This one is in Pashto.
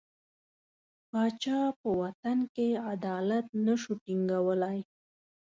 پاچا په وطن کې عدالت نه شو ټینګولای.